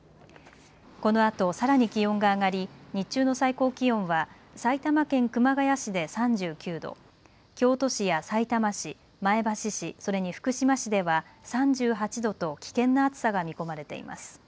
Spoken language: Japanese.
このあと、さらに気温が上がり日中の最高気温は埼玉県熊谷市で３９度、京都市やさいたま市、前橋市、それに福島市では３８度と危険な暑さが見込まれています。